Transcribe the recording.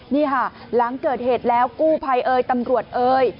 นี่ค่ะหลังเกิดเหตุแล้วกู้ภัยเอ่ยตำรวจเอ่ย